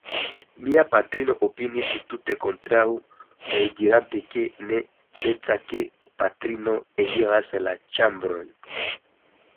Mia patrino opiniis tute kontraŭe, dirante ke ne decas, ke kaprinoj eniras la ĉambrojn.